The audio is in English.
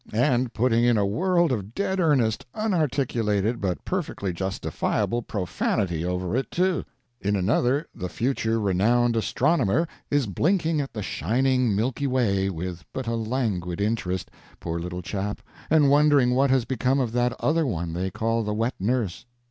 — and putting in a world of dead earnest, unarticulated, but per fectly justifiable profanity over it, too. In an other the future renowned astronomer is blinking at the shining Milky Way with but a languid in 67 Digitized by VjOOQ iC MARK TWAIN'S SPEECHES terest — poor little chap! — and wondering what has become of that other one they call the wet nurse.